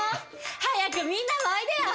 早くみんなもおいでよ！